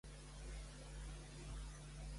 Quina ciutat més recent es relaciona amb Etilos?